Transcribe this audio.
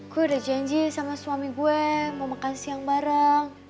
gue udah janji sama suami gue mau makan siang bareng